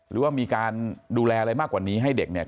หรือว่ามีการดูแลอะไรมากกว่านี้ให้เด็กเนี่ย